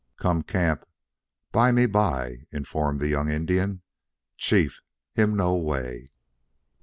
"Come camp bymeby," informed the young Indian. "Chief, him know way."